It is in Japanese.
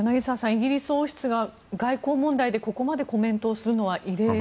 イギリス王室が外交問題でここまでコメントをするのは異例のようです。